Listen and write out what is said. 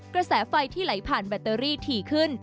กระแสไฟที่ไหลผ่านแบตเตอรี่ถี่ขึ้น